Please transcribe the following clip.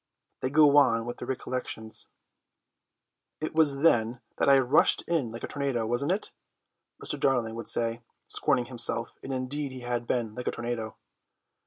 They go on with their recollections. "It was then that I rushed in like a tornado, wasn't it?" Mr. Darling would say, scorning himself; and indeed he had been like a tornado.